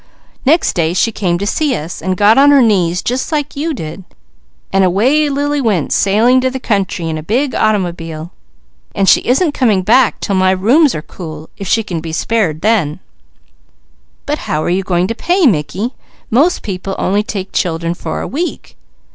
Next day she came to see us, and away Lily went sailing to the country in a big automobile, and she isn't coming back 'til my rooms are cool, if she can be spared then." "But how are you going to pay, Mickey? Most people only take children for a week